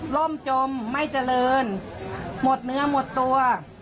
่มจมไม่เจริญหมดเนื้อหมดตัว